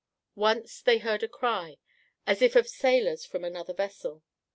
Once they heard a cry, as if of sailors from another vessel.